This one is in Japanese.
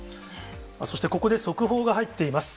そして、ここで速報が入っています。